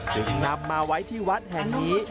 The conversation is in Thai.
จึงนำมาไว้ที่วัดแห่งนี้